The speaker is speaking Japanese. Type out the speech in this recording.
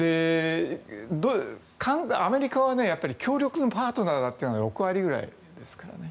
アメリカは強力なパートナーだというのが６割ぐらいですからね。